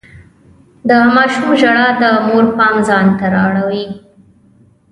د ماشوم ژړا د مور پام ځان ته راواړاوه.